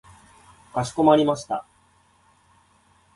かしこまりました。